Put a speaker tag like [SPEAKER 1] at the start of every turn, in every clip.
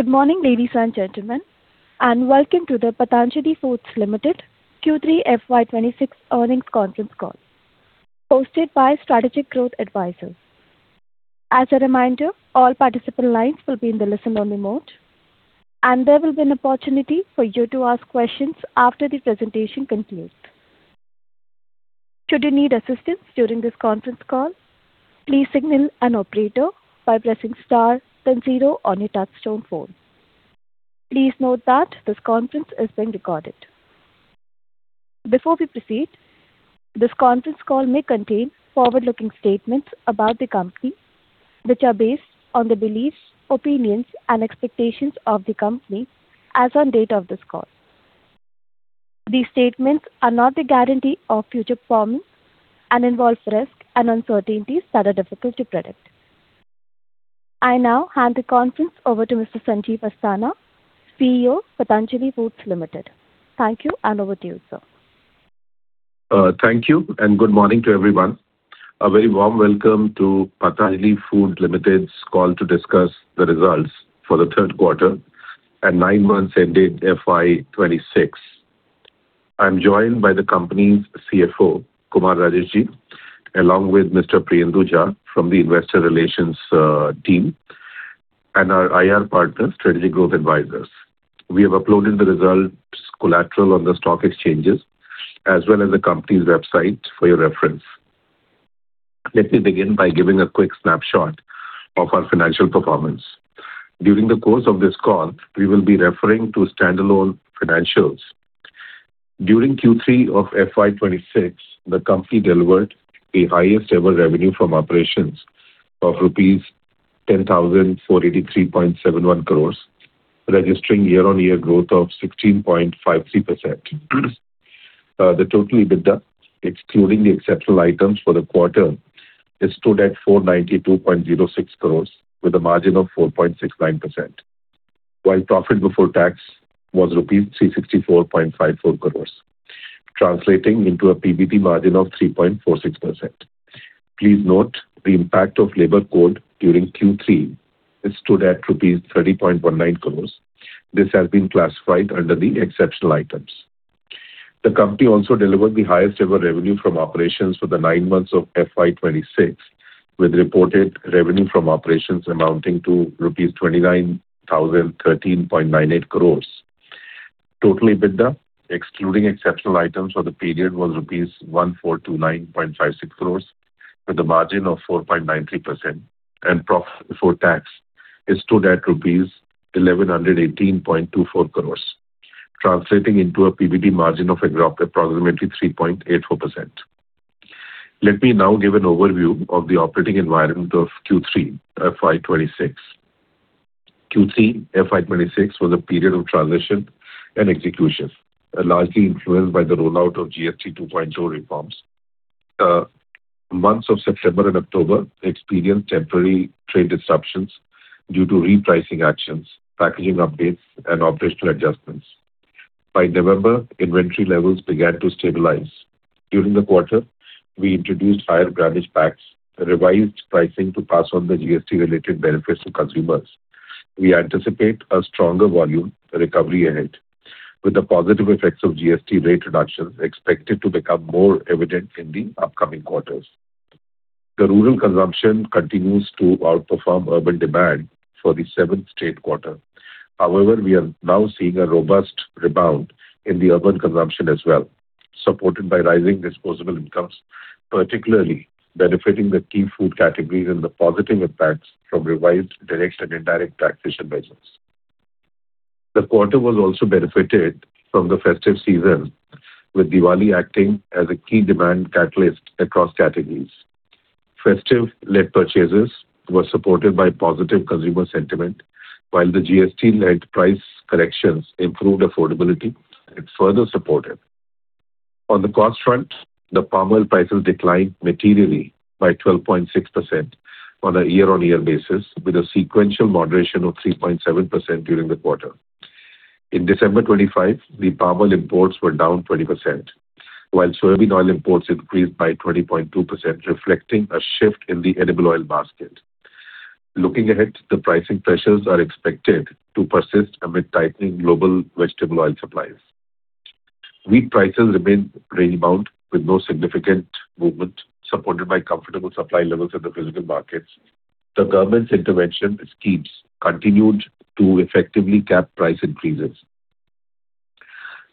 [SPEAKER 1] Good morning, ladies and gentlemen, and welcome to the Patanjali Foods Limited Q3 FY26 earnings conference call, hosted by Strategic Growth Advisors. As a reminder, all participant lines will be in the listen-only mode, and there will be an opportunity for you to ask questions after the presentation concludes. Should you need assistance during this conference call, please signal an operator by pressing star then zero on your touchtone phone. Please note that this conference is being recorded. Before we proceed, this conference call may contain forward-looking statements about the company, which are based on the beliefs, opinions, and expectations of the company as on date of this call. These statements are not the guarantee of future performance and involve risks and uncertainties that are difficult to predict. I now hand the conference over to Mr. Sanjeev Asthana, CEO, Patanjali Foods Limited. Thank you, and over to you, sir.
[SPEAKER 2] Thank you, and good morning to everyone. A very warm welcome to Patanjali Foods Limited's call to discuss the results for the third quarter and nine months ending FY 2026. I'm joined by the company's CFO, Kumar Rajesh, along with Mr. Priyendu Jha from the investor relations team, and our IR partner, Strategic Growth Advisors. We have uploaded the results collateral on the stock exchanges as well as the company's website for your reference. Let me begin by giving a quick snapshot of our financial performance. During the course of this call, we will be referring to standalone financials. During Q3 of FY 2026, the company delivered the highest ever revenue from operations of rupees 10,043.71 crore, registering year-on-year growth of 16.53%. The total EBITDA, excluding the exceptional items for the quarter, stood at 492.06 crore with a margin of 4.69%, while profit before tax was rupees 364.54 crore, translating into a PBT margin of 3.46%. Please note the impact of Labour Code during Q3, it stood at rupees 30.19 crore. This has been classified under the exceptional items. The company also delivered the highest ever revenue from operations for the nine months of FY 2026, with reported revenue from operations amounting to rupees 29,013.98 crore. Total EBITDA, excluding exceptional items for the period, was rupees 1,429.56 crore, with a margin of 4.93%, and profit before tax stood at rupees 1,118.24 crore, translating into a PBT margin of approximately 3.84%. Let me now give an overview of the operating environment of Q3 FY 2026. Q3 FY 2026 was a period of transition and execution, largely influenced by the rollout of GST 2.0 reforms. Months of September and October experienced temporary trade disruptions due to repricing actions, packaging updates, and operational adjustments. By November, inventory levels began to stabilize. During the quarter, we introduced higher grammage packs and revised pricing to pass on the GST-related benefits to consumers. We anticipate a stronger volume recovery ahead, with the positive effects of GST rate reductions expected to become more evident in the upcoming quarters. The rural consumption continues to outperform urban demand for the 7th straight quarter. However, we are now seeing a robust rebound in the urban consumption as well, supported by rising disposable incomes, particularly benefiting the key food categories and the positive impacts from revised direct and indirect taxation measures. The quarter was also benefited from the festive season, with Diwali acting as a key demand catalyst across categories. Festive-led purchases were supported by positive consumer sentiment, while the GST-led price corrections improved affordability and further supported. On the cost front, the palm oil prices declined materially by 12.6% on a year-on-year basis, with a sequential moderation of 3.7% during the quarter. In December 2025, the palm oil imports were down 20%, while soybean oil imports increased by 20.2%, reflecting a shift in the edible oil basket. Looking ahead, the pricing pressures are expected to persist amid tightening global vegetable oil supplies. Wheat prices remain range-bound with no significant movement, supported by comfortable supply levels in the physical markets. The government's intervention schemes continued to effectively cap price increases.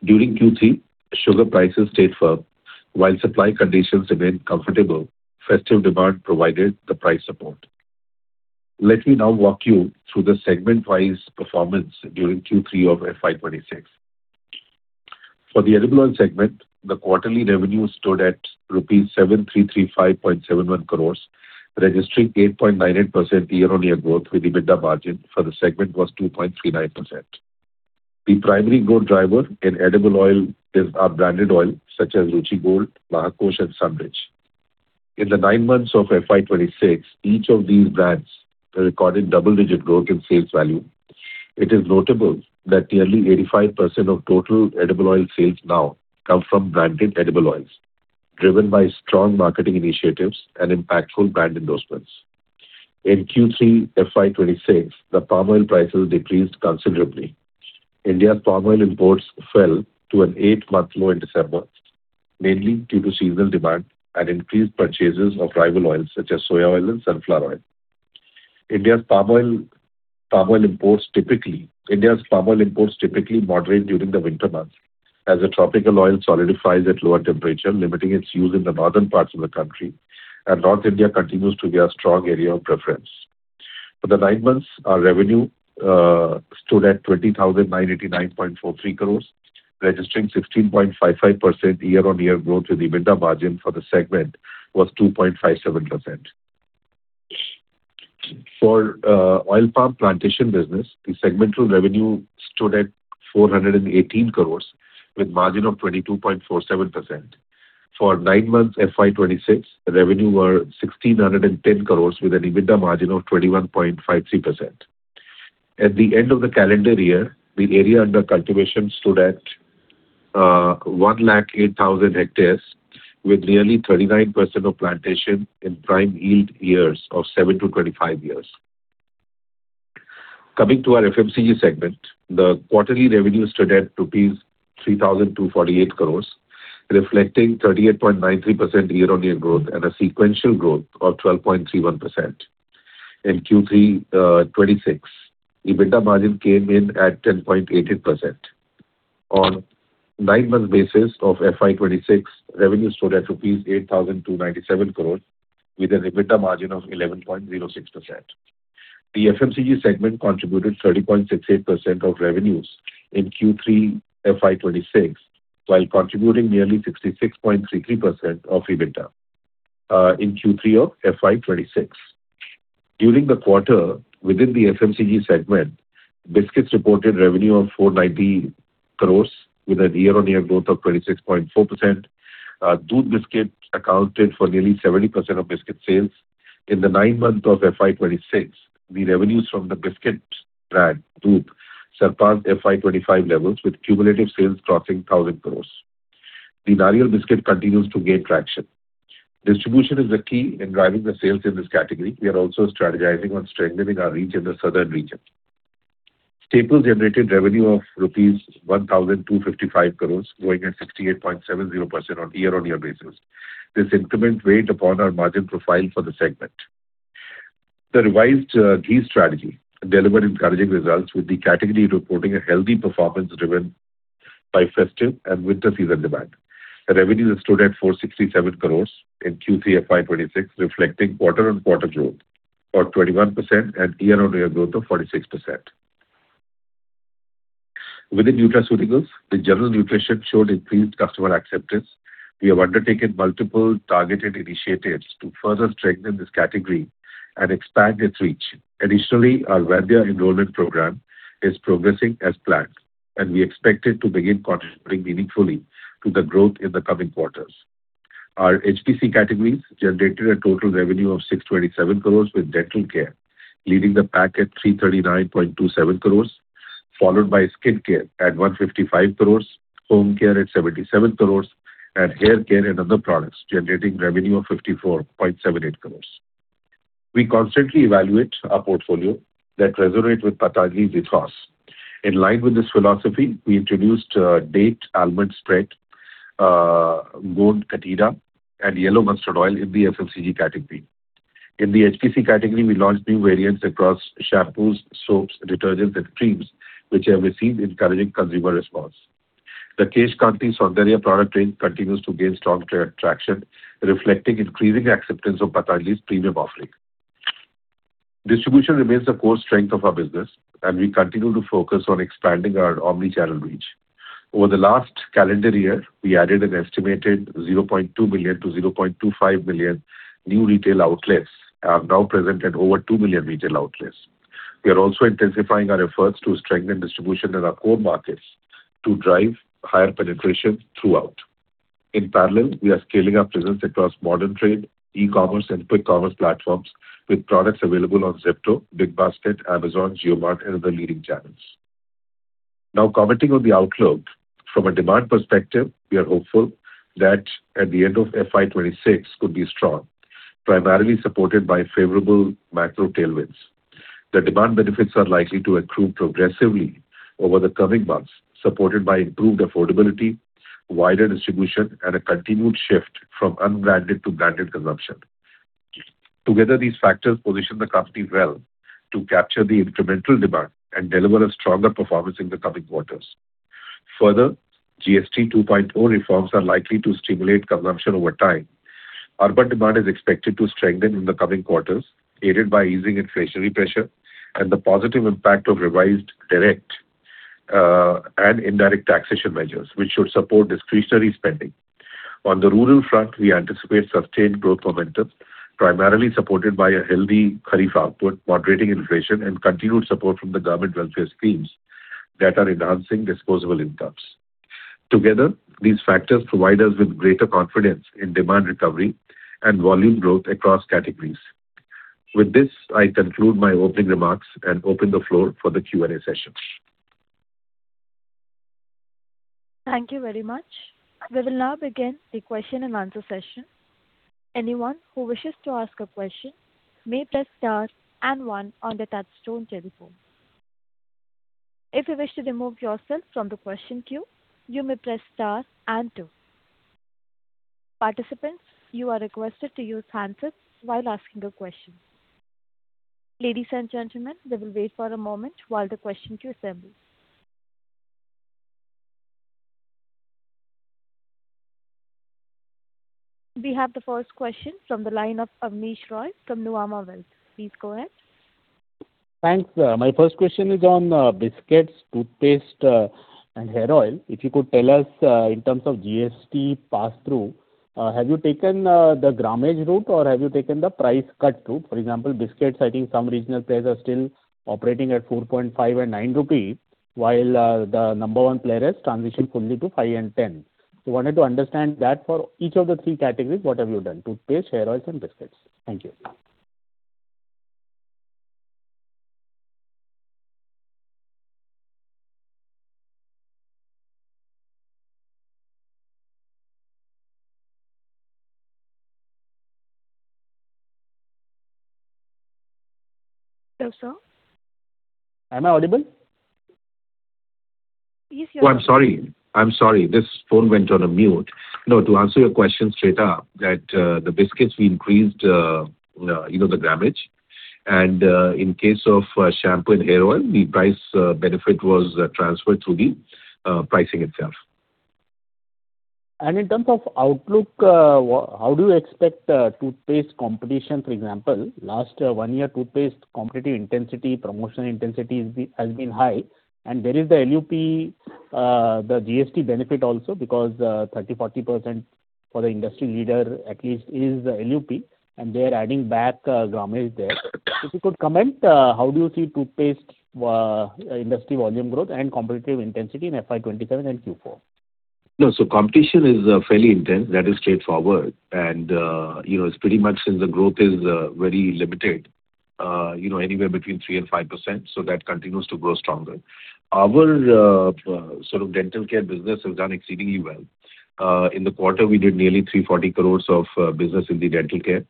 [SPEAKER 2] During Q3, sugar prices stayed firm, while supply conditions remained comfortable, festive demand provided the price support. Let me now walk you through the segment-wise performance during Q3 of FY 2026. For the edible oil segment, the quarterly revenue stood at rupees 7,335.71 crore, registering 8.98% year-on-year growth, with EBITDA margin for the segment was 2.39%. The primary growth driver in edible oil is our branded oil, such as Ruchi Gold, Mahakosh, and Sunrich. In the nine months of FY 2026, each of these brands recorded double-digit growth in sales value. It is notable that nearly 85% of total edible oil sales now come from branded edible oils, driven by strong marketing initiatives and impactful brand endorsements. In Q3 FY 2026, the palm oil prices decreased considerably. India's palm oil imports fell to an 8-month low in December, mainly due to seasonal demand and increased purchases of rival oils such as soya oil and sunflower oil. India's palm oil imports typically moderate during the winter months, as the tropical oil solidifies at lower temperature, limiting its use in the northern parts of the country, and North India continues to be our strong area of preference. For the nine months, our revenue stood at 20,989.43 crore, registering 16.55% year-on-year growth, with EBITDA margin for the segment was 2.57%. For oil palm plantation business, the segmental revenue stood at 418 crore with margin of 22.47%. For nine months FY 2026, the revenue were 1,610 crore, with an EBITDA margin of 21.53%. At the end of the calendar year, the area under cultivation stood at 108,000 hectares, with nearly 39% of plantation in prime yield years of seven years to 25 years. Coming to our FMCG segment, the quarterly revenue stood at INR 3,248 crore, reflecting 38.93% year-on-year growth and a sequential growth of 12.31%. In Q3 2026, EBITDA margin came in at 10.88%. On nine-month basis of FY 2026, revenue stood at INR 8,297 crore, with an EBITDA margin of 11.06%. The FMCG segment contributed 30.68% of revenues in Q3 FY 2026, while contributing nearly 66.33% of EBITDA in Q3 of FY 2026. During the quarter, within the FMCG segment, biscuits reported revenue of 490 crore with a year-on-year growth of 26.4%. Doodh Biscuits accounted for nearly 70% of biscuit sales. In the nine months of FY 2026, the revenues from the biscuit brand, Doodh, surpassed FY 2025 levels, with cumulative sales crossing 1,000 crores. The Nariyal Biscuit continues to gain traction. Distribution is the key in driving the sales in this category. We are also strategizing on strengthening our reach in the southern region. Staples generated revenue of rupees 1,255 crores, growing at 68.70% on year-on-year basis. This increment weighed upon our margin profile for the segment. The revised, ghee strategy delivered encouraging results, with the category reporting a healthy performance driven by festive and winter season demand. The revenues stood at 467 crores in Q3 FY 2026, reflecting quarter-on-quarter growth of 21% and year-on-year growth of 46%. Within nutraceuticals, the general nutrition showed increased customer acceptance. We have undertaken multiple targeted initiatives to further strengthen this category and expand its reach. Additionally, our Vaidya enrollment program is progressing as planned, and we expect it to begin contributing meaningfully to the growth in the coming quarters. Our HPC categories generated a total revenue of 627 crore, with dental care leading the pack at 339.27 crore, followed by skincare at 155 crore, home care at 77 crore, and hair care and other products generating revenue of 54.78 crore. We constantly evaluate our portfolio that resonate with Patanjali's ethos. In line with this philosophy, we introduced Date Almond Spread, Gond Katira, and Yellow Mustard Oil in the FMCG category. In the HPC category, we launched new variants across shampoos, soaps, detergents, and creams, which have received encouraging consumer response. The Kesh Kanti Saundarya product range continues to gain strong traction, reflecting increasing acceptance of Patanjali's premium offering. Distribution remains a core strength of our business, and we continue to focus on expanding our omni-channel reach. Over the last calendar year, we added an estimated 0.2 million-0.25 million new retail outlets, and are now present at over 2 million retail outlets. We are also intensifying our efforts to strengthen distribution in our core markets to drive higher penetration throughout. In parallel, we are scaling our presence across modern trade, e-commerce, and quick commerce platforms, with products available on Zepto, BigBasket, Amazon, JioMart, and other leading channels. Now, commenting on the outlook. From a demand perspective, we are hopeful that at the end of FY 2026 could be strong, primarily supported by favorable macro tailwinds. The demand benefits are likely to accrue progressively over the coming months, supported by improved affordability, wider distribution, and a continued shift from unbranded to branded consumption. Together, these factors position the company well to capture the incremental demand and deliver a stronger performance in the coming quarters. Further, GST 2.0 reforms are likely to stimulate consumption over time. Urban demand is expected to strengthen in the coming quarters, aided by easing inflationary pressure and the positive impact of revised direct and indirect taxation measures, which should support discretionary spending. On the rural front, we anticipate sustained growth momentum, primarily supported by a healthy kharif output, moderating inflation, and continued support from the government welfare schemes that are enhancing disposable incomes. Together, these factors provide us with greater confidence in demand recovery and volume growth across categories. With this, I conclude my opening remarks and open the floor for the Q&A session.
[SPEAKER 1] Thank you very much. We will now begin the question and answer session. Anyone who wishes to ask a question may press star and one on their touchtone telephone. If you wish to remove yourself from the question queue, you may press star and two. Participants, you are requested to use handset while asking a question. Ladies and gentlemen, we will wait for a moment while the question queue assembles. We have the first question from the line of Abneesh Roy from Nuvama Wealth. Please go ahead.
[SPEAKER 3] Thanks. My first question is on biscuits, toothpaste, and hair oil. If you could tell us in terms of GST pass-through, have you taken the grammage route or have you taken the price cut route? For example, biscuits, I think some regional players are still operating at 4.5 and 9 rupee, while the number one player has transitioned fully to 5 and 10. So wanted to understand that for each of the three categories, what have you done, toothpaste, hair oils and biscuits? Thank you.
[SPEAKER 1] Hello, sir?
[SPEAKER 3] Am I audible?
[SPEAKER 1] Yes, you are.
[SPEAKER 2] Oh, I'm sorry. I'm sorry, this phone went on a mute. No, to answer your question straight up, that, the biscuits we increased, you know, the grammage. And, in case of, shampoo and hair oil, the price benefit was transferred through the, pricing itself.
[SPEAKER 3] And in terms of outlook, how do you expect toothpaste competition, for example? Last one year, toothpaste competitive intensity, promotional intensity has been high, and there is the LUP, the GST benefit also because 30%, 40% for the industry leader at least is the LUP, and they are adding back grammage there. If you could comment, how do you see toothpaste industry volume growth and competitive intensity in FY 2027 and Q4?
[SPEAKER 2] No, so competition is fairly intense. That is straightforward. And, you know, it's pretty much since the growth is very limited, you know, anywhere between 3%-5%, so that continues to grow stronger. Our sort of dental care business has done exceedingly well. In the quarter we did nearly 340 crore of business in the dental care,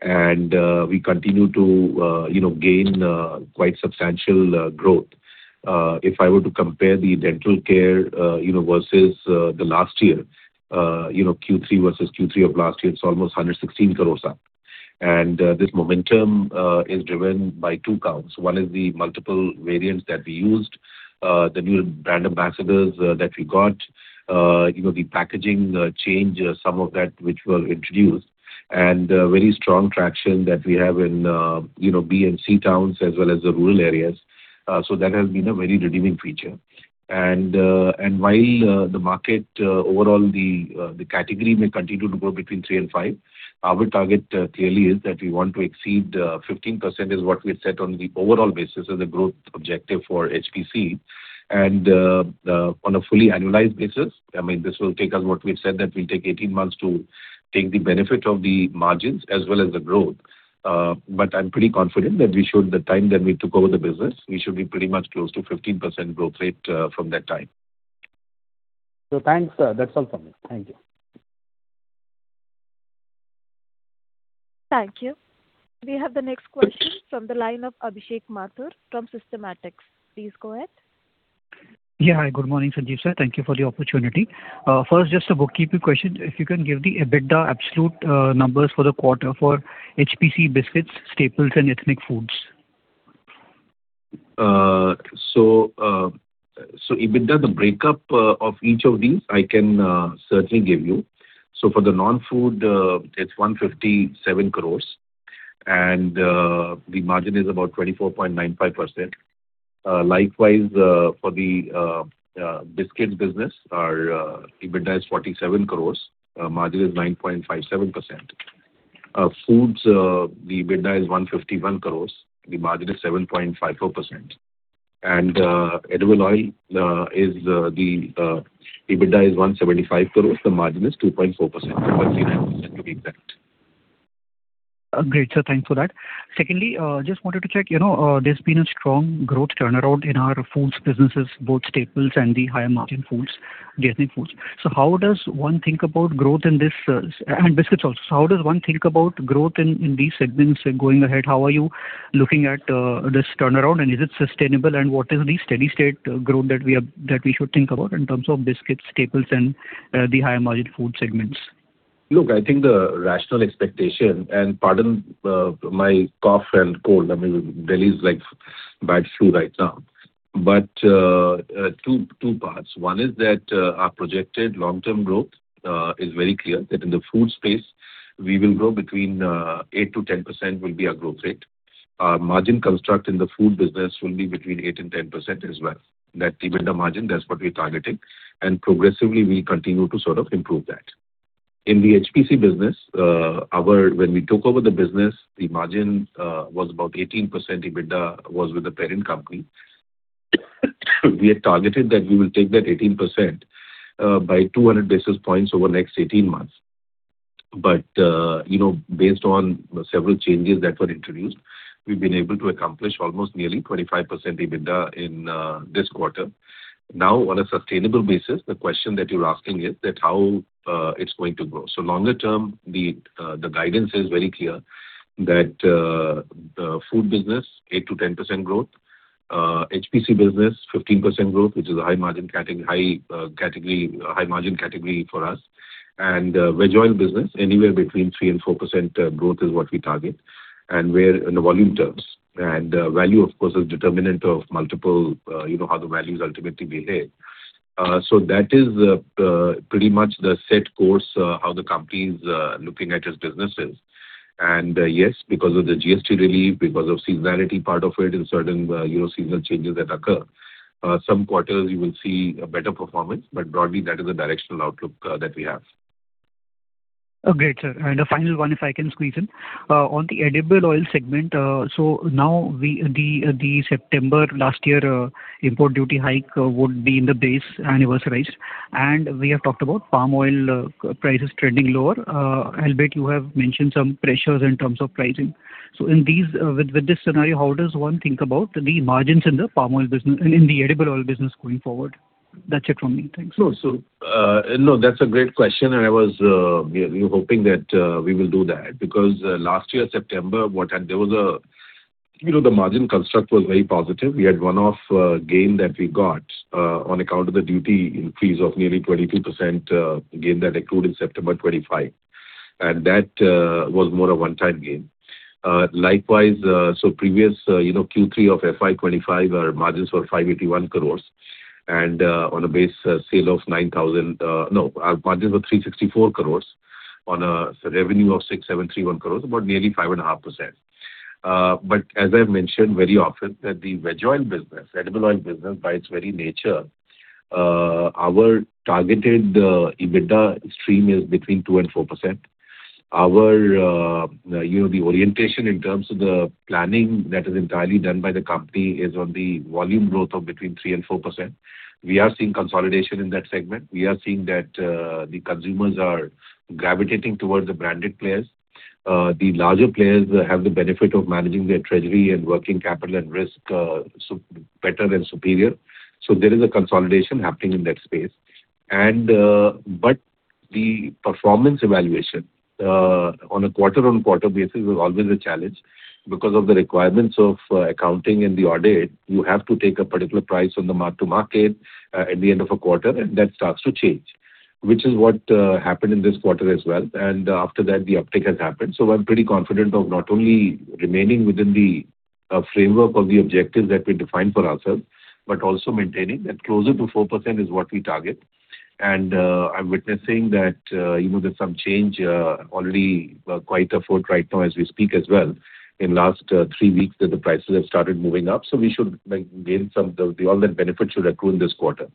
[SPEAKER 2] and we continue to, you know, gain quite substantial growth. If I were to compare the dental care, you know, versus the last year, you know, Q3 versus Q3 of last year, it's almost 116 crore up. And this momentum is driven by two counts. One is the multiple variants that we used, the new brand ambassadors that we got, you know, the packaging change, some of that which were introduced, and very strong traction that we have in, you know, B and C towns, as well as the rural areas. So that has been a very redeeming feature. And while the market overall, the category may continue to grow 3%-5%, our target clearly is that we want to exceed 15% is what we've set on the overall basis as a growth objective for HPC. And on a fully annualized basis, I mean, this will take us what we've said, that we'll take 18 months to take the benefit of the margins as well as the growth. But I'm pretty confident that we should. The time that we took over the business, we should be pretty much close to 15% growth rate, from that time.
[SPEAKER 3] Thanks. That's all from me. Thank you.
[SPEAKER 1] Thank you. We have the next question from the line of Abhishek Mathur from Systematix. Please go ahead.
[SPEAKER 4] Yeah. Hi, good morning, Sanjeev sir. Thank you for the opportunity. First, just a bookkeeper question. If you can give the EBITDA absolute numbers for the quarter for HPC biscuits, staples and ethnic foods.
[SPEAKER 2] So EBITDA, the breakup of each of these I can certainly give you. So for the non-food, it's 157 crore, and the margin is about 24.95%. Likewise, for the biscuits business, our EBITDA is 47 crore, margin is 9.57%. Foods, the EBITDA is 151 crore, the margin is 7.54%. And edible oil, the EBITDA is 175 crore, the margin is 2.4%, or 0.39%, to be exact.
[SPEAKER 4] Great, sir. Thanks for that. Secondly, just wanted to check, you know, there's been a strong growth turnaround in our foods businesses, both staples and the higher margin foods, the ethnic foods. So how does one think about growth in this, and biscuits also? So how does one think about growth in these segments going ahead? How are you looking at this turnaround, and is it sustainable? And what is the steady state growth that we should think about in terms of biscuits, staples and the higher margin food segments?
[SPEAKER 2] Look, I think the rational expectation, and pardon my cough and cold, I mean, Delhi is, like, bad flu right now. But two parts. One is that our projected long-term growth is very clear, that in the food space, we will grow between 8%-10%. That will be our growth rate. Our margin construct in the food business will be between 8% and 10% as well. That EBITDA margin, that's what we're targeting. And progressively, we continue to sort of improve that. In the HPC business, our. When we took over the business, the margin was about 18%, EBITDA was with the parent company. We had targeted that we will take that 18% by 200 basis points over the next 18 months. But, you know, based on several changes that were introduced, we've been able to accomplish almost nearly 25% EBITDA in this quarter. Now, on a sustainable basis, the question that you're asking is that how it's going to grow. So longer term, the guidance is very clear that the food business, 8%-10% growth, HPC business, 15% growth, which is a high margin category, high category, high margin category for us. And vegetable oil business, anywhere between 3%-4% growth is what we target, and we're in the volume terms. And value, of course, is determinant of multiple, you know, how the values ultimately behave. So that is pretty much the set course how the company's looking at its businesses. Yes, because of the GST relief, because of seasonality part of it in certain, you know, seasonal changes that occur, some quarters you will see a better performance, but broadly, that is the directional outlook that we have.
[SPEAKER 4] Okay, sir. And a final one, if I can squeeze in. On the edible oil segment, so now the September last year import duty hike would be in the base anniversarized. And we have talked about palm oil prices trending lower. Albeit you have mentioned some pressures in terms of pricing. So in these, with this scenario, how does one think about the margins in the palm oil business and in the edible oil business going forward? That's it from me. Thanks.
[SPEAKER 2] So, no, that's a great question, and I was, we, we hoping that, we will do that. Because, last year, September, there was a, you know, the margin construct was very positive. We had one-off, gain that we got, on account of the duty increase of nearly 22%, gain that accrued in September 2025, and that, was more a one-time gain. Likewise, so previous, you know, Q3 of FY 2025, our margins were 581 crore. And, on a base, sale of nine thousand, no, our margins were 364 crore on a revenue of 6,731 crore, about nearly 5.5%. But as I've mentioned very often, that the veg oil business, edible oil business, by its very nature, our targeted EBITDA stream is between 2% and 4%. Our, you know, the orientation in terms of the planning that is entirely done by the company is on the volume growth of between 3% and 4%. We are seeing consolidation in that segment. We are seeing that, the consumers are gravitating towards the branded players. The larger players have the benefit of managing their treasury and working capital and risk, so better and superior. So there is a consolidation happening in that space. But the performance evaluation, on a quarter-on-quarter basis is always a challenge. Because of the requirements of accounting and the audit, you have to take a particular price on the Mark to Market at the end of a quarter, and that starts to change, which is what happened in this quarter as well. And after that, the uptick has happened. So I'm pretty confident of not only remaining within the framework of the objectives that we defined for ourselves, but also maintaining that closer to 4% is what we target. And I'm witnessing that, you know, there's some change already quite afoot right now as we speak as well. In last three weeks, that the prices have started moving up, so we should, like, gain some of all that benefit should accrue in this quarter.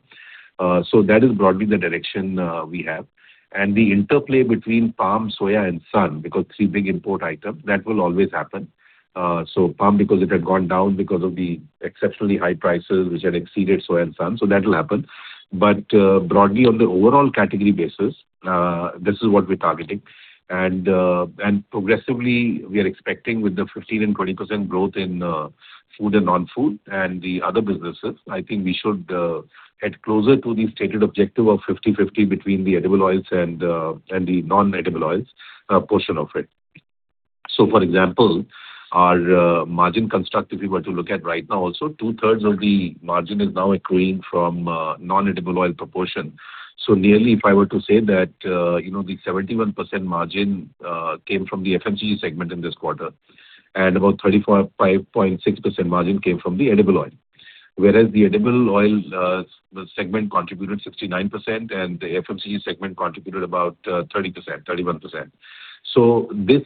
[SPEAKER 2] So that is broadly the direction we have. The interplay between palm, soya and sun, because three big import items, that will always happen. So palm because it had gone down because of the exceptionally high prices, which had exceeded soy and sun, so that will happen. But broadly, on the overall category basis, this is what we're targeting. And progressively, we are expecting with the 15% and 20% growth in food and non-food and the other businesses, I think we should head closer to the stated objective of 50/50 between the edible oils and the non-edible oils portion of it. So for example, our margin construct, if you were to look at right now also, two-thirds of the margin is now accruing from non-edible oil proportion. So nearly, if I were to say that, you know, the 71% margin came from the FMCG segment in this quarter, and about 35.6% margin came from the edible oil. Whereas the edible oil segment contributed 69% and the FMCG segment contributed about 30%, 31%. So this,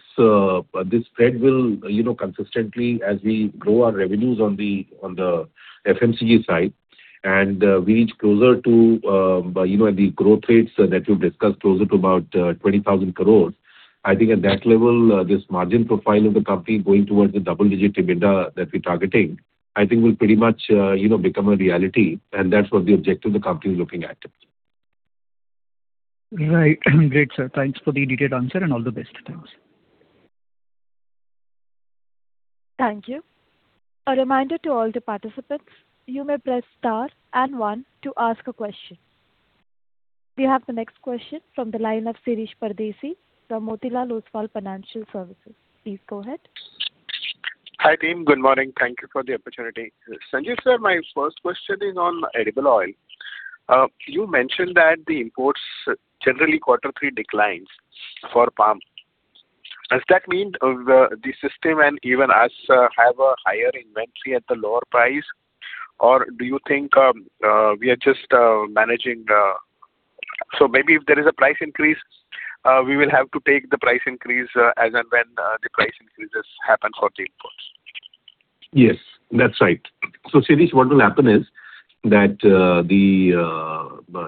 [SPEAKER 2] this spread will, you know, consistently, as we grow our revenues on the, on the FMCG side, and we reach closer to, you know, the growth rates that we've discussed closer to about 20,000 crore. I think at that level, this margin profile of the company going towards the double-digit EBITDA that we're targeting, I think will pretty much, you know, become a reality, and that's what the objective of the company is looking at.
[SPEAKER 4] Right. Great, sir. Thanks for the detailed answer, and all the best. Thanks.
[SPEAKER 1] Thank you. A reminder to all the participants, you may press star and 1 to ask a question. We have the next question from the line of Shirish Pardeshi from Motilal Oswal Financial Services. Please go ahead.
[SPEAKER 5] Hi, team. Good morning. Thank you for the opportunity. Sanjay, sir, my first question is on edible oil. You mentioned that the imports generally quarter three declines for palm. Does that mean the, the system and even us, have a higher inventory at the lower price? Or do you think, we are just, managing the. So maybe if there is a price increase, we will have to take the price increase, as and when, the price increases happen for the imports.
[SPEAKER 2] Yes, that's right. So, Shirish, what will happen is that,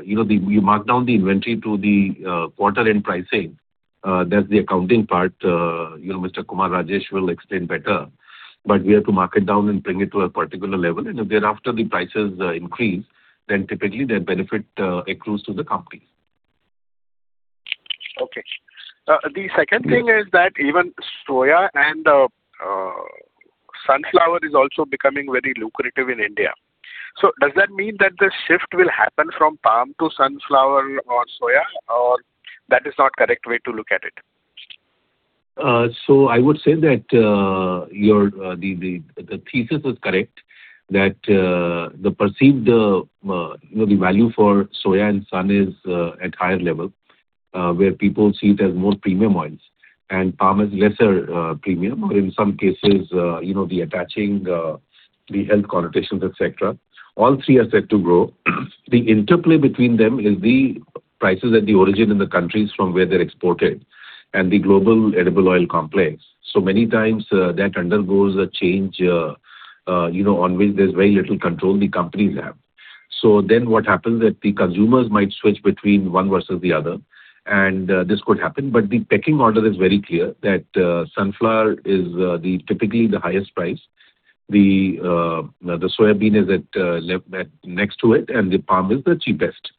[SPEAKER 2] you know, we mark down the inventory to the quarter-end pricing. That's the accounting part, you know, Mr. Kumar Rajesh will explain better but we have to mark down and bring it to a particular level, and thereafter, the prices increase, then typically that benefit accrues to the company.
[SPEAKER 5] Okay. The second thing is that even soya and sunflower is also becoming very lucrative in India. So does that mean that the shift will happen from palm to sunflower or soya, or that is not correct way to look at it?
[SPEAKER 2] So I would say that your thesis is correct, that the perceived, you know, the value for soya and sun is at higher level, where people see it as more premium oils, and palm is lesser premium, but in some cases, you know, the attaching the health connotations, et cetera. All three are set to grow. The interplay between them is the prices at the origin in the countries from where they're exported and the global edible oil complex. So many times, that undergoes a change, you know, on which there's very little control the companies have. So then what happens that the consumers might switch between one versus the other, and this could happen, but the pecking order is very clear, that sunflower is typically the highest price. The soybean is at next to it, and the palm is the cheapest.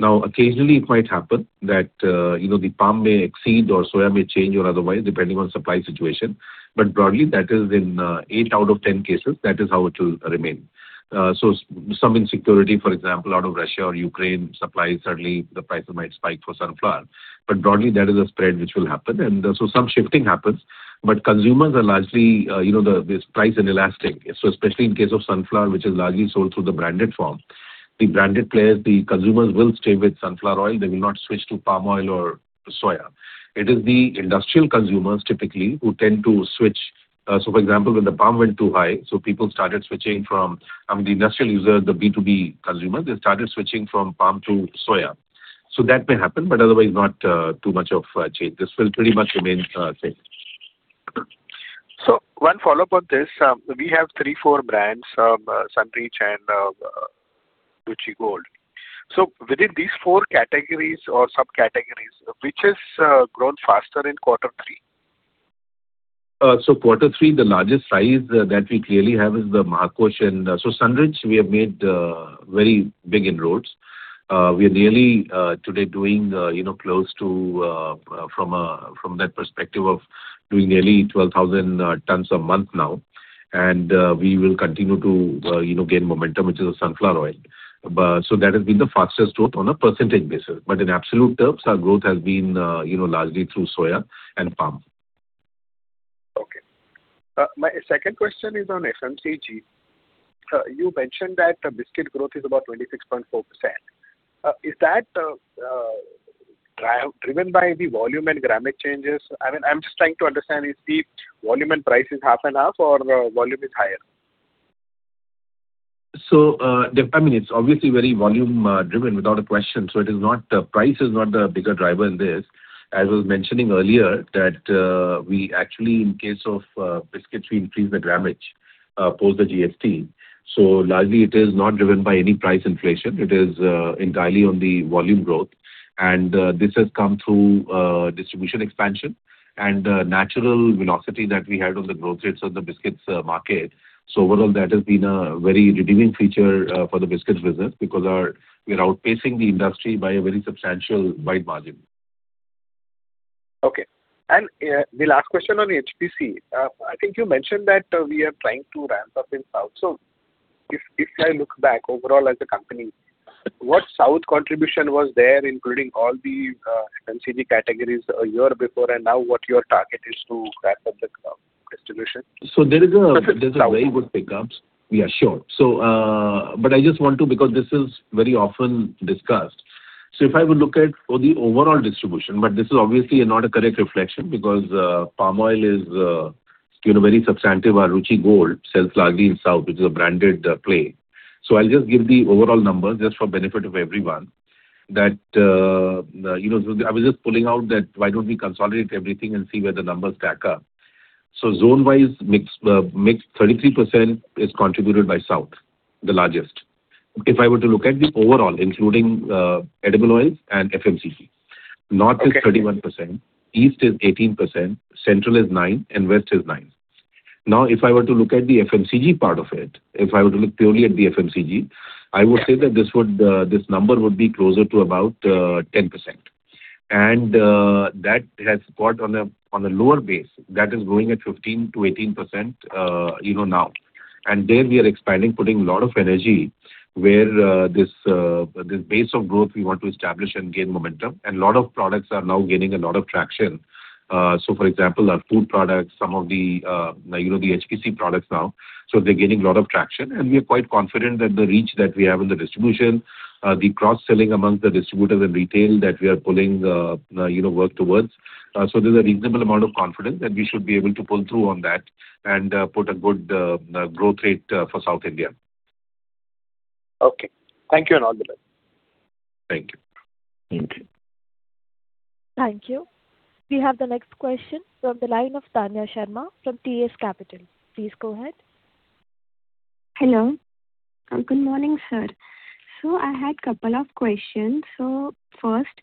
[SPEAKER 2] Now, occasionally it might happen that, you know, the palm may exceed or soya may change or otherwise, depending on supply situation, but broadly, that is in eight out of 10 cases, that is how it will remain. So some insecurity, for example, out of Russia or Ukraine supply, suddenly the price might spike for sunflower. But broadly, there is a spread which will happen, and so some shifting happens, but consumers are largely, you know, this price inelastic. So especially in case of sunflower, which is largely sold through the branded form, the branded players, the consumers will stay with sunflower oil, they will not switch to palm oil or soya. It is the industrial consumers typically who tend to switch. So, for example, when the palm went too high, so people started switching from the industrial user, the B2B consumer, they started switching from palm to soya. So that may happen, but otherwise not too much of change. This will pretty much remain same.
[SPEAKER 5] One follow-up on this. We have three, four brands, Sunrich and Ruchi Gold. Within these four categories or subcategories, which has grown faster in quarter three?
[SPEAKER 2] So quarter three, the largest size that we clearly have is the Mahakosh and. So Sunrich, we have made very big inroads. We are nearly today doing, you know, close to from that perspective of doing nearly 12,000 tons a month now, and we will continue to, you know, gain momentum, which is a sunflower oil. But so that has been the fastest growth on a percentage basis, but in absolute terms, our growth has been, you know, largely through soya and palm.
[SPEAKER 5] Okay. My second question is on FMCG. You mentioned that the biscuit growth is about 26.4%. Is that driven by the volume and grammage changes? I mean, I'm just trying to understand, is the volume and price is half and half, or the volume is higher?
[SPEAKER 2] So, I mean, it's obviously very volume driven, without a question. So it is not, price is not the bigger driver in this. As I was mentioning earlier, that, we actually, in case of, biscuits, we increased the grammage, post the GST. So largely it is not driven by any price inflation. It is, entirely on the volume growth, and, this has come through, distribution expansion and, natural velocity that we had on the growth rates on the biscuits, market. So overall, that has been a very redeeming feature, for the biscuits business because we're outpacing the industry by a very substantial wide margin.
[SPEAKER 5] Okay. And the last question on the HPC. I think you mentioned that we are trying to ramp up in South. So if I look back overall as a company, what South contribution was there, including all the FMCG categories a year before, and now what your target is to ramp up the distribution?
[SPEAKER 2] There is a-
[SPEAKER 5] South
[SPEAKER 2] there's a very good pick up. Yeah, sure. So, but I just want to, because this is very often discussed. So if I were to look at for the overall distribution, but this is obviously not a correct reflection because, palm oil is, you know, very substantive, our Ruchi Gold sells largely in South, which is a branded, play. So I'll just give the overall number just for benefit of everyone, that, you know, I was just pulling out that why don't we consolidate everything and see where the numbers stack up. So zone-wise, mix, 33% is contributed by South, the largest. If I were to look at the overall, including, edible oils and FMCG, North-
[SPEAKER 5] Okay
[SPEAKER 2] is 31%, East is 18%, Central is 9%, and West is 9%. Now, if I were to look at the FMCG part of it, if I were to look purely at the FMCG, I would say that this would, this number would be closer to about, 10%. And, that has got on a, on a lower base, that is growing at 15%-18%, you know, now. And there we are expanding, putting a lot of energy, where, this, this base of growth we want to establish and gain momentum, and a lot of products are now gaining a lot of traction. So for example, our food products, some of the, you know, the HPC products now, so they're gaining a lot of traction, and we are quite confident that the reach that we have in the distribution, the cross-selling among the distributors and retail that we are pulling, you know, work towards. So there's a reasonable amount of confidence that we should be able to pull through on that and, put a good, growth rate, for South India.
[SPEAKER 5] Okay. Thank you, and all the best.
[SPEAKER 2] Thank you. Thank you.
[SPEAKER 1] Thank you. We have the next question from the line of Tanya Sharma from TS Capital. Please go ahead.
[SPEAKER 6] Hello. Good morning, sir. So I had couple of questions. So first,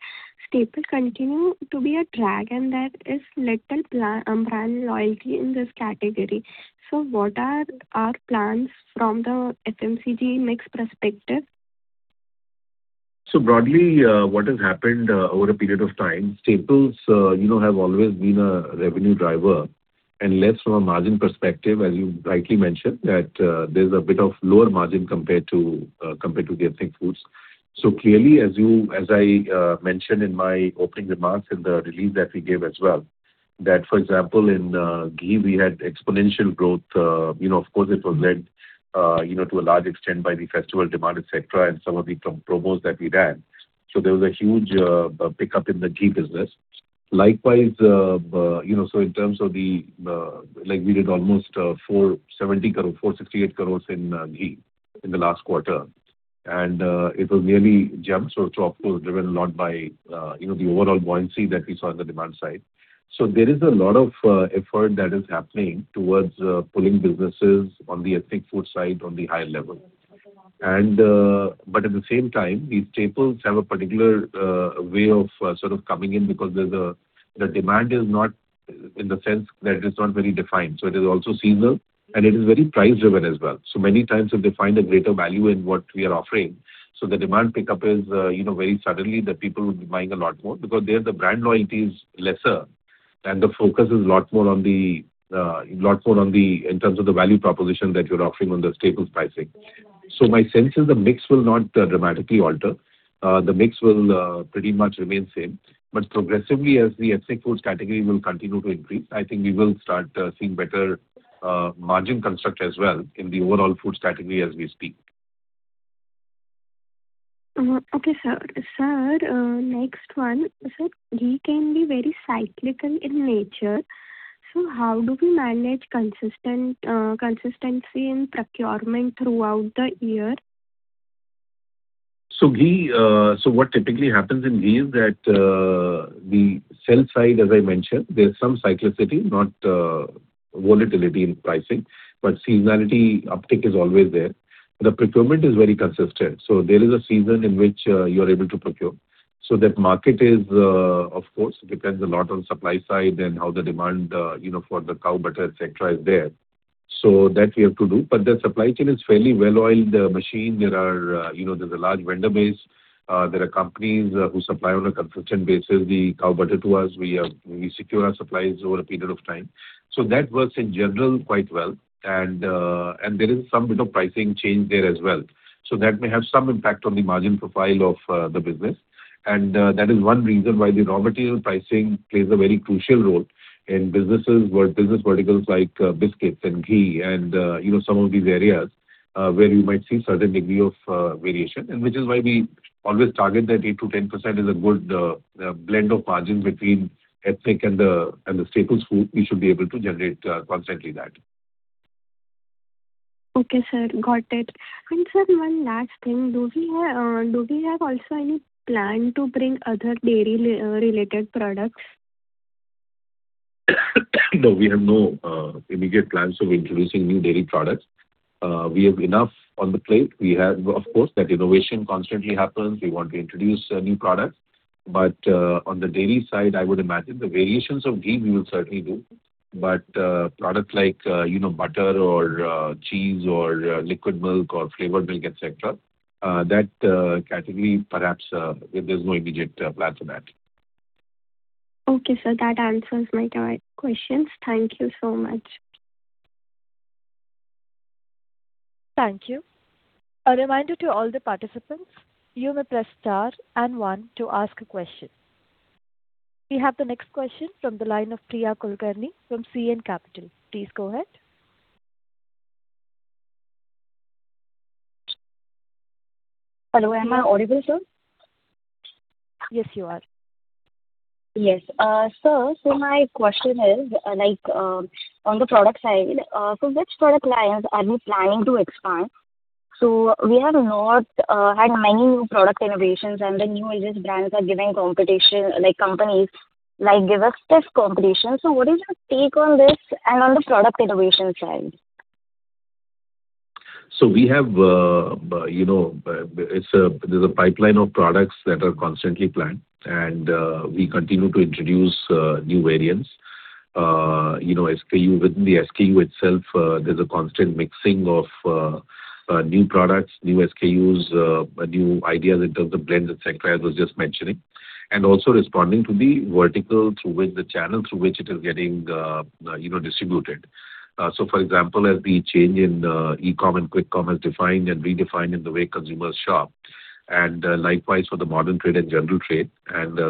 [SPEAKER 6] staples continue to be a drag, and there is little brand loyalty in this category. So what are our plans from the FMCG mix perspective?
[SPEAKER 2] So broadly, what has happened over a period of time, staples, you know, have always been a revenue driver, and less from a margin perspective, as you rightly mentioned, that there's a bit of lower margin compared to compared to the ethnic foods. So clearly, as I mentioned in my opening remarks in the release that we gave as well, that for example, in ghee, we had exponential growth. You know, of course it was led you know, to a large extent by the festival demand, et cetera, and some of the promos that we ran. So there was a huge pickup in the ghee business. Likewise, you know, so in terms of the the Like, we did almost 470 crore, 468 crore in ghee in the last quarter, and it was mainly gems or tropical, driven a lot by, you know, the overall buoyancy that we saw on the demand side. So there is a lot of effort that is happening towards pulling businesses on the ethnic food side on the higher level. And but at the same time, these staples have a particular way of sort of coming in, because the demand is not, in the sense that it's not very defined, so it is also seasonal, and it is very price-driven as well. So many times they find a greater value in what we are offering, so the demand pickup is, you know, very suddenly that people would be buying a lot more, because there the brand loyalty is lesser, and the focus is a lot more on the, lot more on the, in terms of the value proposition that you're offering on the staples pricing. So my sense is the mix will not dramatically alter. The mix will pretty much remain same. But progressively, as the ethnic foods category will continue to increase, I think we will start seeing better margin construct as well in the overall foods category as we speak.
[SPEAKER 6] Okay, sir. Sir, next one: sir, ghee can be very cyclical in nature, so how do we manage consistency in procurement throughout the year?
[SPEAKER 2] So ghee, so what typically happens in ghee is that, the sell side, as I mentioned, there's some cyclicity, not, volatility in pricing, but seasonality uptick is always there. The procurement is very consistent, so there is a season in which, you're able to procure. So that market is, of course depends a lot on supply side and how the demand, you know, for the cow butter, et cetera, is there. So that we have to do, but the supply chain is fairly well-oiled, machine. There are, you know, there's a large vendor base. There are companies, who supply on a consistent basis, the cow butter to us. We, we secure our supplies over a period of time. So that works in general quite well, and, and there is some bit of pricing change there as well. So that may have some impact on the margin profile of, the business. And, that is one reason why the raw material pricing plays a very crucial role in businesses where business verticals like, biscuits and ghee and, you know, some of these areas, where you might see certain degree of, variation. And which is why we always target that 8%-10% is a good, blend of margin between ethnic and the, and the staples food. We should be able to generate, constantly that.
[SPEAKER 6] Okay, sir. Got it. And sir, one last thing: do we have also any plan to bring other dairy related products?
[SPEAKER 2] No, we have no immediate plans of introducing new dairy products. We have enough on the plate. We have, of course, that innovation constantly happens. We want to introduce new products. But on the dairy side, I would imagine the variations of ghee we will certainly do. But products like, you know, butter or cheese or liquid milk or flavored milk, et cetera, that category, perhaps, there's no immediate plan for that.
[SPEAKER 6] Okay, sir. That answers my current questions. Thank you so much.
[SPEAKER 1] Thank you. A reminder to all the participants, you may press star and one to ask a question. We have the next question from the line of Priya Kulkarni from CN Capital. Please go ahead.
[SPEAKER 7] Hello, am I audible, sir?
[SPEAKER 1] Yes, you are.
[SPEAKER 7] Yes. Sir, so my question is, like, on the product side, so which product lines are we planning to expand? So we have not had many new product innovations, and the new age brands are giving competition, like, companies, like, give us stiff competition. So what is your take on this and on the product innovation side?
[SPEAKER 2] So we have, you know, there's a pipeline of products that are constantly planned, and we continue to introduce new variants. You know, SKU within the SKU itself, there's a constant mixing of new products, new SKUs, new ideas in terms of blends, et cetera, as I was just mentioning, and also responding to the vertical through which the channel, through which it is getting, you know, distributed. So for example, as the change in e-com and quick com has defined and redefined the way consumers shop, and likewise for the modern trade and general trade.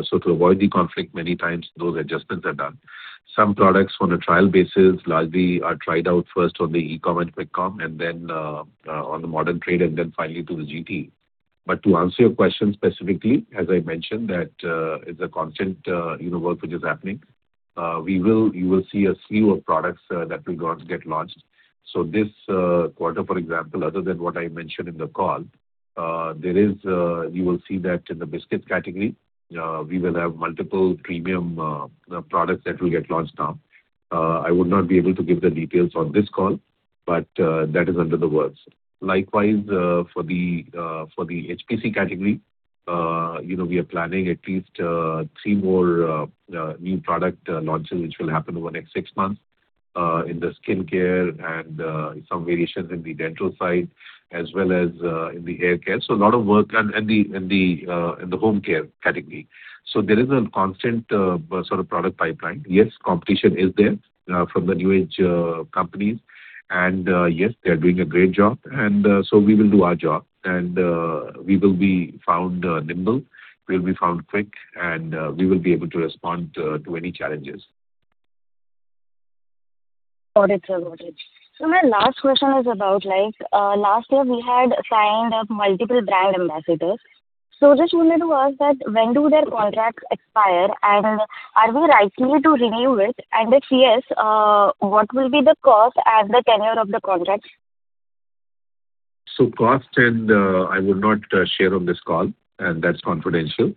[SPEAKER 2] So to avoid the conflict, many times those adjustments are done. Some products on a trial basis largely are tried out first on the e-com and quick com, and then, on the modern trade, and then finally to the GT. But to answer your question specifically, as I mentioned, that, it's a constant, you know, work which is happening. We will-- you will see a slew of products, that will go on to get launched. So this quarter, for example, other than what I mentioned in the call, you will see that in the biscuits category, we will have multiple premium products that will get launched now. I would not be able to give the details on this call, but, that is under the works. Likewise, for the HPC category, you know, we are planning at least three more new product launches, which will happen over the next six months in the skin care and some variations in the dental side as well as in the hair care. So a lot of work and in the home care category. So there is a constant sort of product pipeline. Yes, competition is there from the new age companies. And yes, they are doing a great job. And so we will do our job, and we will be found nimble, we'll be found quick, and we will be able to respond to any challenges.
[SPEAKER 7] Got it, sir. Got it. So my last question is about, like, last year we had signed up multiple brand ambassadors. So just wanted to ask that when do their contracts expire, and are we likely to renew it? And if yes, what will be the cost and the tenure of the contracts?
[SPEAKER 2] So cost and, I will not share on this call, and that's confidential.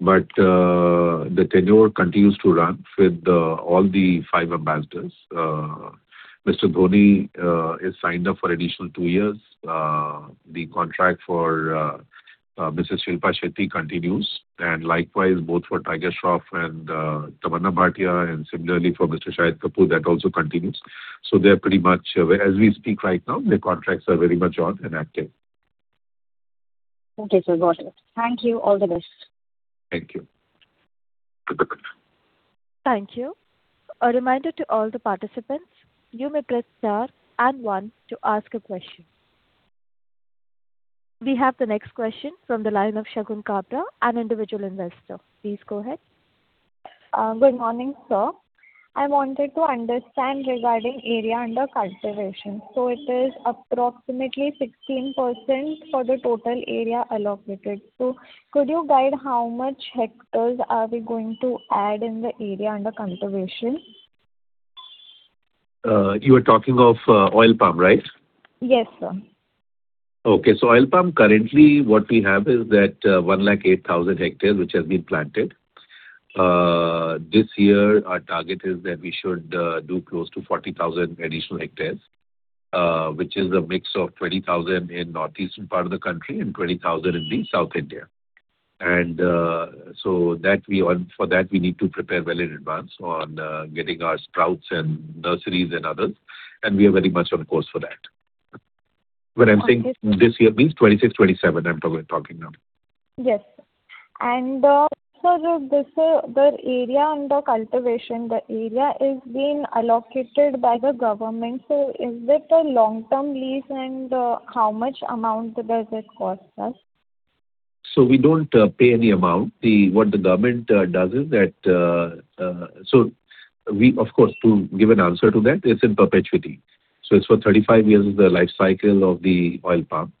[SPEAKER 2] But, the tenure continues to run with the all the five ambassadors. Mr. Dhoni is signed up for additional two years. The contract for Mrs. Shilpa Shetty continues, and likewise both for Tiger Shroff and Tamannaah Bhatia, and similarly for Mr. Shahid Kapoor, that also continues. So they're pretty much, as we speak right now, their contracts are very much on and active.
[SPEAKER 7] Okay, sir. Got it. Thank you. All the best.
[SPEAKER 2] Thank you.
[SPEAKER 1] Thank you. A reminder to all the participants, you may press star and one to ask a question. We have the next question from the line of Shakun Kabra, an individual investor. Please go ahead.
[SPEAKER 8] Good morning, sir. I wanted to understand regarding area under cultivation. So it is approximately 16% for the total area allocated. So could you guide how much hectares are we going to add in the area under cultivation?
[SPEAKER 2] You are talking of oil palm, right?
[SPEAKER 8] Yes, sir.
[SPEAKER 2] Okay. So oil palm, currently, what we have is that, 108,000 hectares, which has been planted. This year our target is that we should do close to 40,000 additional hectares, which is a mix of 20,000 in northeastern part of the country and 20,000 in the South India. And, so for that, we need to prepare well in advance on getting our sprouts and nurseries and others, and we are very much on course for that. What I'm saying, this year means 2026, 2027, I'm talking now.
[SPEAKER 8] Yes. So the area under cultivation, the area is being allocated by the government. So is it a long-term lease, and how much amount does it cost us?
[SPEAKER 2] So we don't pay any amount. What the government does is that. Of course, to give an answer to that, it's in perpetuity. So it's for 35 years is the life cycle of the oil palm,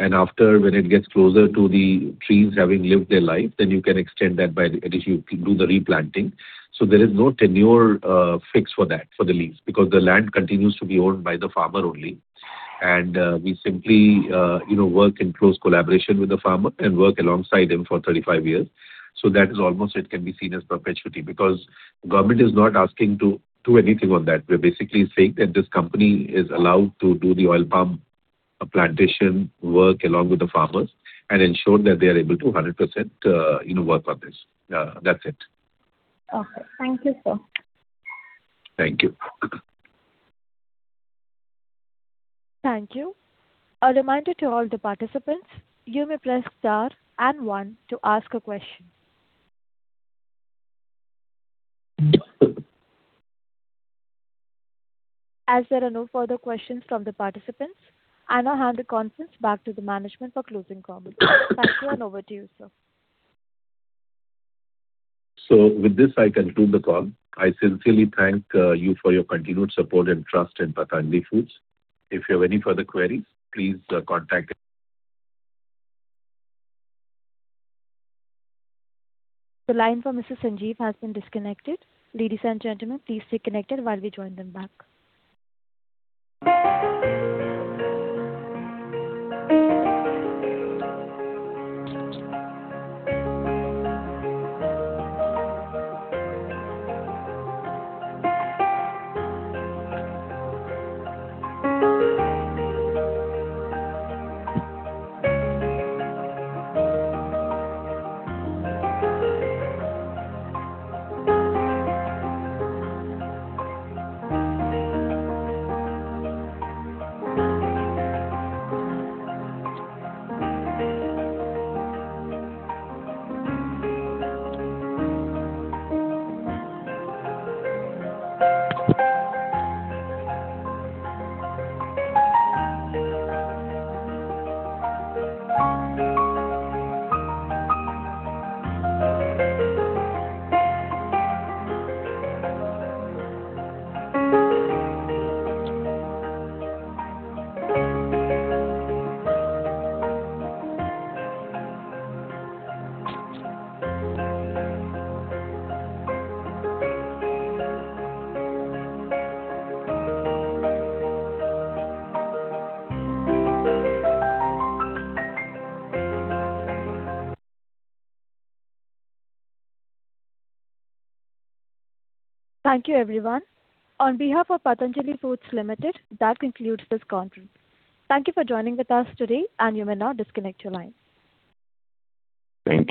[SPEAKER 2] and after, when it gets closer to the trees having lived their life, then you can extend that by the, and if you do the replanting. So there is no tenure fixed for that, for the lease, because the land continues to be owned by the farmer only. And we simply you know work in close collaboration with the farmer and work alongside him for 35 years. So that is almost, it can be seen as perpetuity, because government is not asking to do anything on that. We're basically saying that this company is allowed to do the oil palm plantation work along with the farmers and ensure that they are able to 100%, you know, work on this. That's it.
[SPEAKER 8] Okay. Thank you, sir.
[SPEAKER 2] Thank you.
[SPEAKER 1] Thank you. A reminder to all the participants, you may press star and one to ask a question. As there are no further questions from the participants, I now hand the conference back to the management for closing comments. Thank you, and over to you, sir.
[SPEAKER 2] So with this, I conclude the call. I sincerely thank you for your continued support and trust in Patanjali Foods. If you have any further queries, please contact-
[SPEAKER 1] The line for Mr. Sanjeev has been disconnected. Ladies and gentlemen, please stay connected while we join them back. Thank you, everyone. On behalf of Patanjali Foods Limited, that concludes this conference. Thank you for joining with us today, and you may now disconnect your line.
[SPEAKER 2] Thank you.